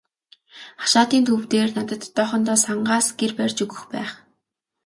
Хашаатын төв дээр надад одоохондоо сангаас гэр барьж өгөх байх.